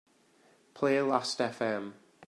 Play Lastfm.